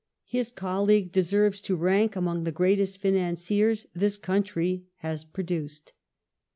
His colleague deserves to rank among the greatest financiei s this country has produced.